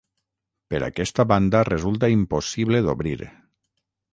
Per aquesta banda resulta impossible d'obrir.